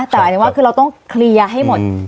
แต่หมายถึงว่าคือเราต้องเคลียร์ให้หมด